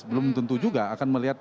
belum tentu juga akan melihat